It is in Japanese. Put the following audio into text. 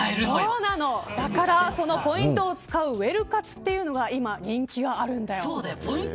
だから、そのポイントを使うウエル活というのが今、人気があるんだよ。